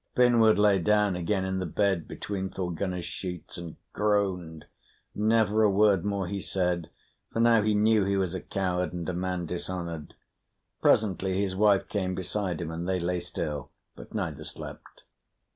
Finnward lay down again in the bed between Thorgunna's sheets, and groaned; never a word more he said, for now he knew he was a coward and a man dishonoured. Presently his wife came beside him, and they lay still, but neither slept.